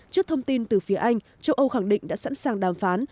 trước thông tin từ phía anh châu âu khẳng định đã sẵn sàng đàm phán